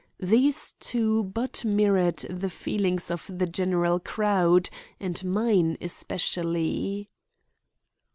These two but mirrored the feelings of the general crowd, and mine especially.